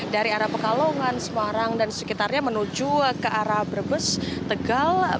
dari arah pekalongan semarang dan sekitarnya menuju ke arah brebes tegal